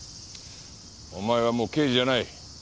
お前はもう刑事じゃない。